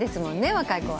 若い子は。